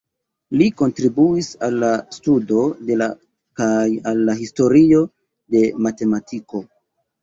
Li kontribuis al la studo de la kaj al la historio de matematiko.